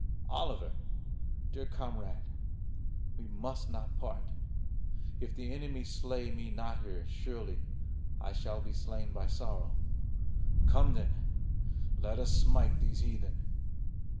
Oliver, dear comrade, we must not part. If the enemy slay me not here, surely I shall be slain by sorrow. Come then, let us smite these heathen."